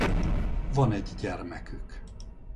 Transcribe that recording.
Van egy gyermekük.